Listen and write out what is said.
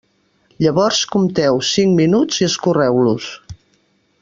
Llavors compteu cinc minuts i escorreu-los.